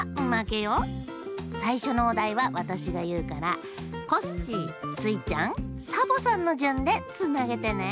さいしょのおだいはわたしがいうからコッシースイちゃんサボさんのじゅんでつなげてね！